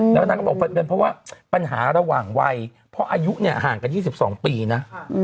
แล้วนางก็บอกเป็นเพราะว่าปัญหาระหว่างวัยเพราะอายุเนี่ยห่างกัน๒๒ปีนะ